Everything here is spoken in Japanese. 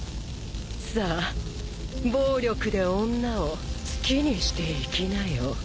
さあ暴力で女を好きにしていきなよ。